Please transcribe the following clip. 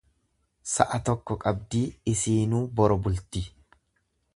Sa'a tokko qabdii isiinuu boro bulti.